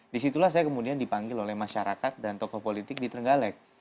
di situ lah saya kemudian dipanggil oleh masyarakat dan tokoh politik di trenggalek